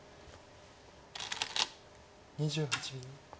２８秒。